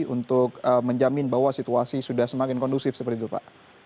untuk menjamin bahwa situasi sudah semakin kondusif seperti itu pak